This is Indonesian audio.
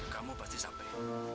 kamu pasti sampai